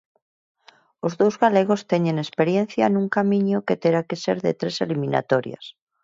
Os dous galegos teñen experiencia nun camiño que terá que ser de tres eliminatorias.